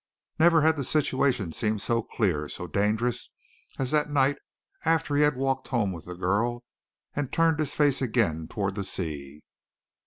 Never had the situation seemed so clear, so dangerous, as that night after he had walked home with the girl and turned his face again toward the sea.